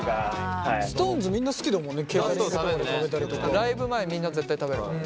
ライブ前みんな絶対食べるもんね。